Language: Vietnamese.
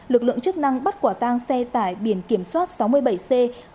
lực lượng chức năng bắt quả tang xe tải biển kiểm soát sáu mươi bảy c ba nghìn bảy trăm năm mươi hai